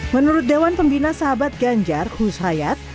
menurut dewan pembina sahabat ganjar hus hayat